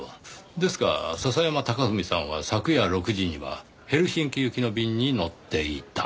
ですが笹山隆文さんは昨夜６時にはヘルシンキ行きの便に乗っていた。